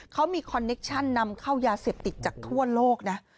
เขามีคอนเนคชั่นนำเข้ายาเสพติดจากทั่วโลกนะ